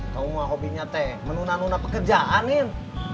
kamu mah hobinya teh menuna nuna pekerjaan nin